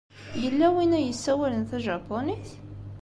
Yella win ay yessawalen tajapunit?